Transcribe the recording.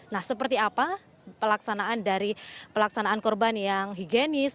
nah seperti apa pelaksanaan dari pelaksanaan korban yang higienis